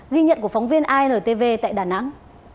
ghi nhận của phóng viên inr tv tại đà nẵng